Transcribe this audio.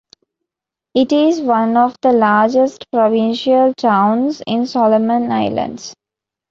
It is one of the largest provincial towns in Solomon Islands.